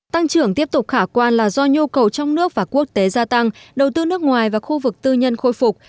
tăng trưởng tiếp tục khả quan là do nhu cầu trong nước và quốc tế gia tăng đầu tư nước ngoài và khu vực tư nhân khôi phục